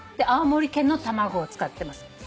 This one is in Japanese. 青森県の卵を使ってます。